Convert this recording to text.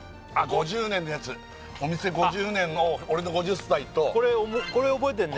５０年のやつお店５０年の俺の５０歳とこれ覚えてんね